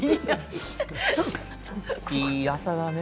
いい朝だね。